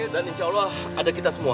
dan insya allah ada kita semua